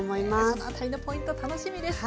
その辺りのポイント楽しみです。